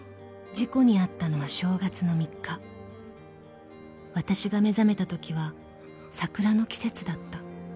［事故に遭ったのは正月の３日わたしが目覚めたときは桜の季節だった］